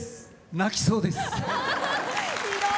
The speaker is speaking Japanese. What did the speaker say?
泣きそうです。